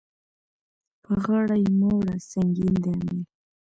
په غاړه يې مه وړه سنګين دی امېل.